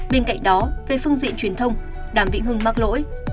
bên cạnh đó về phương diện truyền thông đàm vĩnh hưng mắc lỗi